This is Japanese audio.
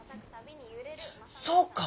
そうか！